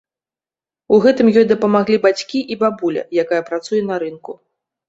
У гэтым ёй дапамаглі бацькі і бабуля, якая працуе на рынку.